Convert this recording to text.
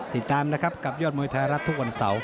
ติดตามนะครับกับยอดมวยไทยรัฐทุกวันเสาร์